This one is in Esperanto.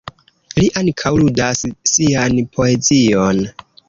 Li ankaŭ ludas sian poezion.